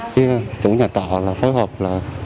chứ chủ nhà trọ là phối hợp là